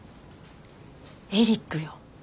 エリックよ。